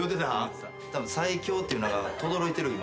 最強っていうのがとどろいてる今。